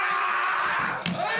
はい！